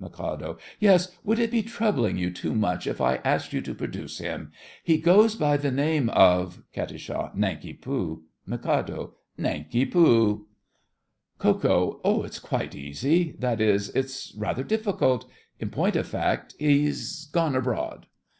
MIK. Yes; would it be troubling you too much if I asked you to produce him? He goes by the name of—— KAT. Nanki Poo. MIK. Nanki Poo. KO. It's quite easy. That is, it's rather difficult. In point of fact, he's gone abroad!